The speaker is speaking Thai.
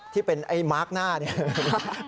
ที่เป็นไอ้มาร์คหน้าเนี่ย